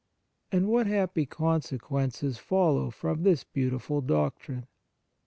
And what happy consequences follow from this beautiful doctrine !